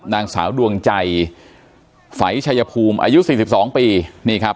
นางสาวดวงใจฝัยชายภูมิอายุสี่สิบสองปีนี่ครับ